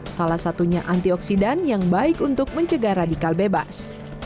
salah satunya antioksidan yang baik untuk mencegah radikal bebas